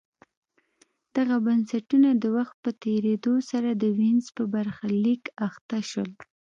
دغه بنسټونه د وخت په تېرېدو سره د وینز په برخلیک اخته شول